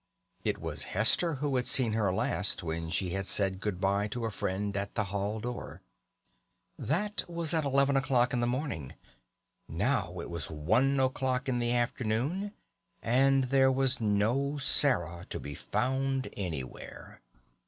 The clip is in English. It was Hester who had seen her last when she had said good bye to a friend at the hall door. That was at eleven o'clock in the morning; now it was one o'clock in the afternoon, and there was no Sarah to be found anywhere.